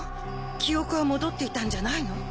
記憶は戻っていたんじゃないの？